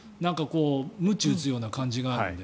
ムチを打つような感じがあるので。